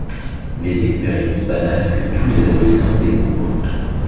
Les expériences banales que tous les adolescents découvrent.